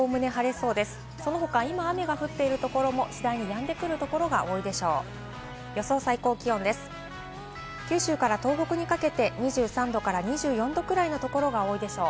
その他、今、雨降っているところも次第にやんでくるところが多いでしょう。